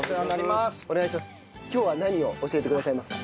今日は何を教えてくださいますか？